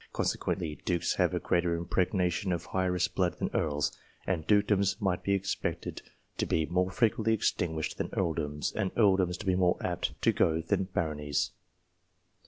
Con sequently, dukes have a greater impregnation of heiress blood than earls, and dukedoms might be expected to be more frequently extinguished than earldoms, and earldoms to be more apt to go than baronies.